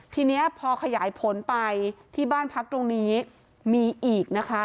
ทีนี้พอขยายผลไปที่บ้านพักตรงนี้มีอีกนะคะ